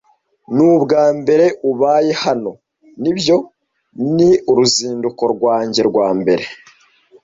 "Ni ubwambere ubaye hano?" "Nibyo, ni uruzinduko rwanjye rwa mbere."